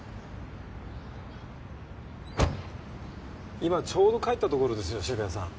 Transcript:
今ちょうど帰ったところですよ渋谷さん。